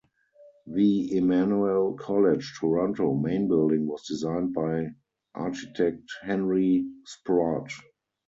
The Emmanuel College, Toronto main building was designed by architect Henry Sproatt.